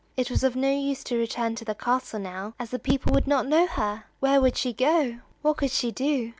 It was of no use to return to the castle now, as the people would not know her. Where should she go? What could she do?